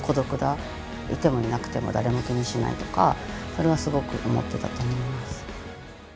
それはすごく思ってたと思います。